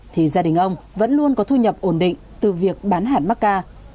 thì gia đình ông vẫn luôn có thu nhập ổn định từ việc bán hẳn mắc ca